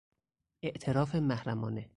اعتراف محرمانه